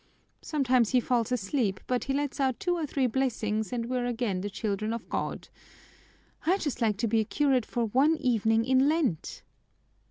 Sometimes he falls asleep, but he lets out two or three blessings and we are again the children of God! I'd just like to be a curate for one evening in Lent!"